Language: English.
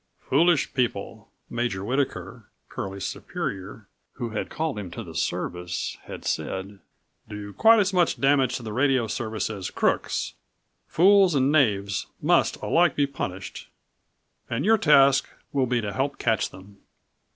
"Foolish people," Major Whittaker, Curlie's11 superior, who had called him to the service, had said, "do quite as much damage to the radio service as crooks. Fools and knaves must alike be punished and your task will be to help catch them."